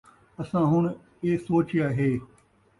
اساں ہُݨ اے سوچیا ہے